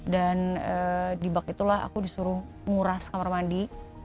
dan di bak itulah aku disuruh nguras kamar mandi